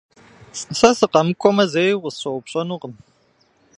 Сэ сыкъэмыкӀуэмэ, зэи укъысщӀэупщӀэнукъым.